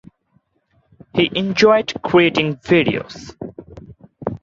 He enjoyed creating videos.